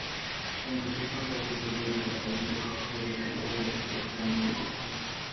আইনি প্রশ্নটা কীভাবে জড়িত, সেটা বিচারপতি খায়রুলের রায়ের আলোকে আমাদের বুঝতে হবে।